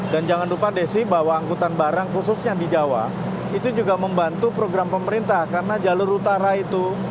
dan jangan lupa desi bahwa angkutan barang khususnya di jawa itu juga membantu program pemerintah karena jalur utara itu